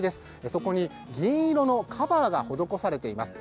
そこに銀色のカバーが施されています。